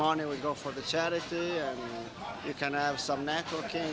dan uangnya akan menuju ke syarikat dan anda bisa memiliki beberapa hubungan